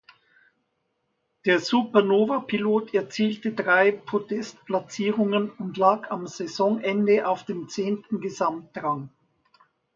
Der Super Nova-Pilot erzielte drei Podest-Platzierungen und lag am Saisonende auf dem zehnten Gesamtrang.